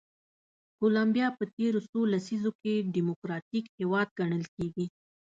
کولمبیا په تېرو څو لسیزو کې ډیموکراتیک هېواد ګڼل کېږي.